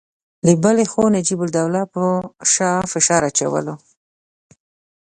له بلې خوا نجیب الدوله پر شاه فشار اچاوه.